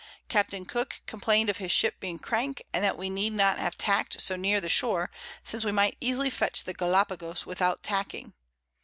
Capt. Cooke complain'd of his Ship being crank, and that we need not have tack'd so near the Shore, since we might easily fetch the Gallapagos without Tacking.